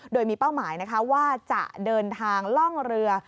โดยมีเป้าหมายนะคะว่าจะเดินทางล่องเรือ